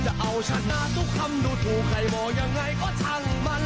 จะเอาชนะทุกคำดูถูกใครมองยังไงก็ช่างมัน